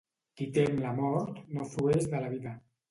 Qui tem la mort, no frueix de la vida.